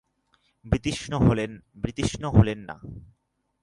বিতৃষ্ণ হলেন না।